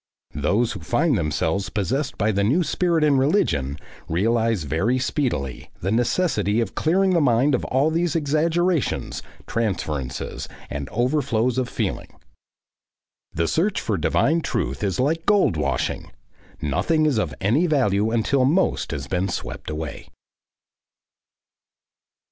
Those who find themselves possessed by the new spirit in religion, realise very speedily the necessity of clearing the mind of all these exaggerations, transferences, and overflows of feeling. The search for divine truth is like gold washing; nothing is of any value until most has been swept away.